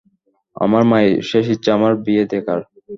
আমার মায়ের শেষ ইচ্ছা আমার বিয়ে দেখার।